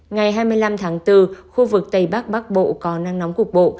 ngày hai mươi năm tháng bốn khu vực tây bắc bắc bộ có nắng nóng cục bộ